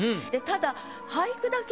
ただ。